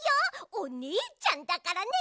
おねえちゃんだからね！